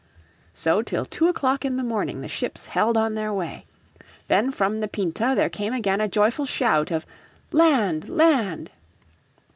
So till two o'clock in the morning the ships held on their way. Then from the Pinta there came again a joyful shout of "Land! Land!"